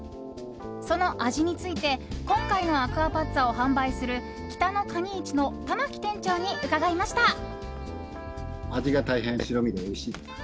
その味について今回のアクアパッツァを販売する北のかに市の玉木店長に伺いました。